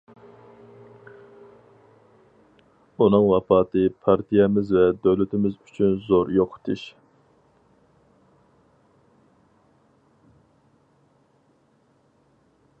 ئۇنىڭ ۋاپاتى پارتىيەمىز ۋە دۆلىتىمىز ئۈچۈن زور يوقىتىش.